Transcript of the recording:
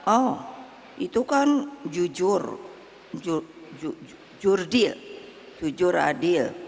oh itu kan jujur jurdil jujur adil